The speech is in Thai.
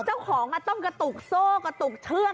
เจ้าของต้องกระตุกโซ่กระตุกเชือก